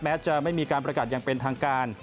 จะไม่มีการประกาศอย่างเป็นทางการ